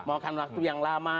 mau akan waktu yang lama